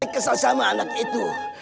kesal sama anak itu